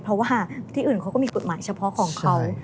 เพราะว่าที่อื่นเขาก็มีกฎหมายเฉพาะของเขา